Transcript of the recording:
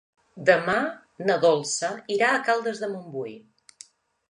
Demà na Dolça irà a Caldes de Montbui.